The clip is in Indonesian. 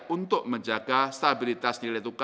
untuk menjaga stabilitas nilai tukar